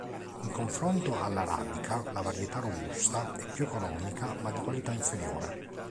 In confronto alla Arabica, la varietà robusta è più economica ma di qualità inferiore.